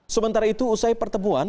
sementara itu usai pertemuan